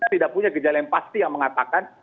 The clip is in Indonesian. tidak punya gejala yang pasti yang mengatakan